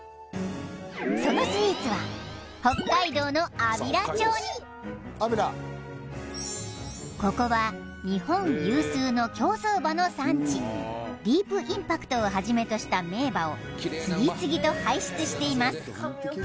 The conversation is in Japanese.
そのスイーツはここは日本有数の競走馬の産地ディープインパクトをはじめとした名馬を次々と輩出しています